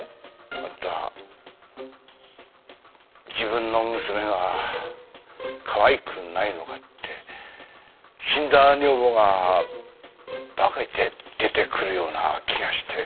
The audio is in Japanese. あんたは自分の娘がかわいくないのかって死んだ女房が化けて出てくるような気がして。